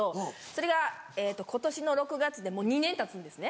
それが今年の６月でもう２年たつんですね。